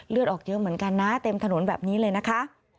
เลือดออกเยอะเหมือนกันนะเต็มถนนแบบนี้เลยนะคะ